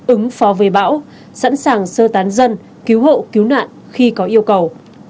ứng phó với bão sẵn sàng sơ tán dân cứu hộ cứu nạn khi có yêu cầu